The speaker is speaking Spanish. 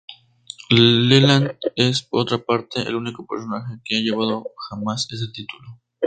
Leland es, por otra parte, el único personaje que ha llevado jamás este título.